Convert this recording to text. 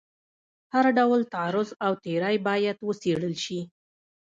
هر ډول تعرض او تیری باید وڅېړل شي.